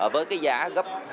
với cái giá gấp